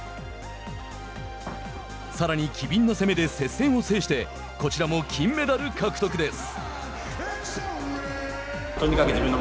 さらに、機敏な攻めで接戦を制してこちらも金メダル獲得です。